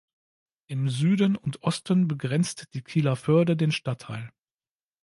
Im Süden und Osten begrenzt die Kieler Förde den Stadtteil.